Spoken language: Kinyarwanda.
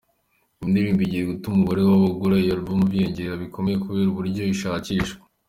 Iyi ndirimbo igiye gutuma umubare w’abagura iyi album wiyongera bikomeye kubera uburyo ishakishwa.